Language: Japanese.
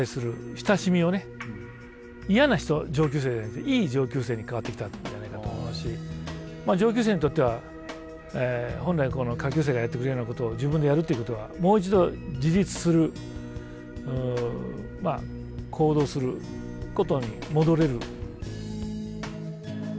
嫌な上級生じゃなくていい上級生に変わってきたんじゃないかと思うし上級生にとっては本来下級生がやってくれるようなことを自分でやるということはもう一度自立するまあ行動することに戻れる。